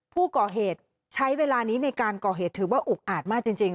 ผู้ก่อเหตุใช้เวลานี้ในการก่อเหตุถือว่าอุกอาจมากจริง